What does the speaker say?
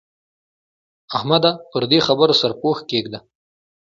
احمده! پر دې خبره سرپوښ کېږده.